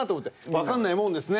わかんないもんですね